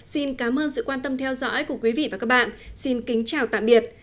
xin cảm ơn sự quan tâm theo dõi của quý vị và các bạn xin kính chào tạm biệt